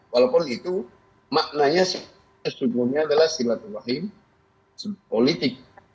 walaupun itu maknanya sebetulnya adalah silatul rahim politik